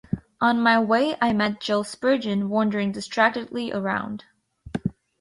On my way I met Jill Spurgeon wandering distractedly around.